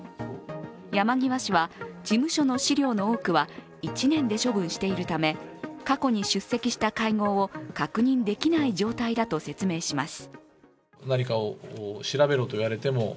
山際氏は事務所の資料の多くは１年で処分しているため過去に出席した会合を確認できない状態だと説明します。